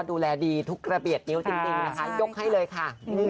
ดูแลดีทุกระเบียบนิ้วจริงนะคะยกให้เลยค่ะ